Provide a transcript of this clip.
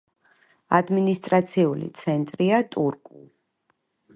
ადმინისტრაციული ცენტრია ტურკუ.